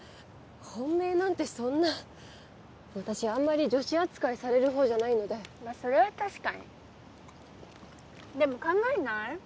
本命なんてそんな私あんまり女子扱いされる方じゃないのでまあそれは確かにでも考えない？